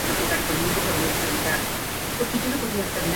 El escritor de la canción es Piro el vocalista de la banda